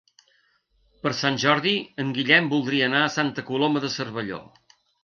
Per Sant Jordi en Guillem voldria anar a Santa Coloma de Cervelló.